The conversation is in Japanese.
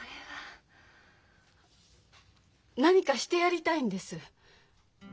何かしてやりたいんです！